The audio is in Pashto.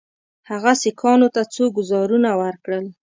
هغه سیکهانو ته څو ګوزارونه ورکړل.